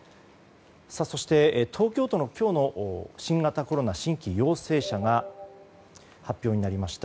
そして、東京都の今日の新型コロナ新規陽性者が発表になりました。